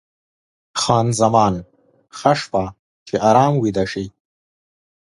خان زمان: ښه شپه، چې ارام ویده شې.